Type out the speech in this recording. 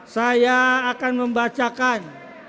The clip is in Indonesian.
saya akan membacakan